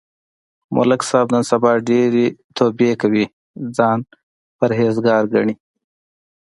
ملک صاحب نن سبا ډېرې توبې کوي، ځان پرهېز گار گڼي.